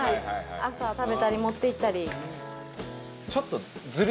朝食べたり持っていったり。